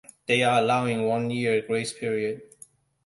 They are allowing a one-year grace period.